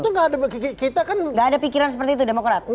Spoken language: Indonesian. tidak ada pikiran seperti itu demokrat